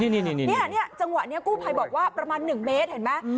นี่จังหวะนี้กู้ภัยบอกว่าประมาณ๑เมตรเห็นไหม